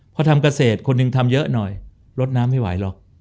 พอทำเกษตรคนหนึ่งทำเยอะหน่อยลดน้ำไม่ไหวหรอก